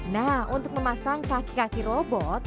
nah untuk memasang kaki kaki robot